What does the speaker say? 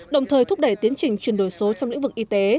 đồng thời thúc đẩy tiến trình chuyển đổi số trong lĩnh vực y tế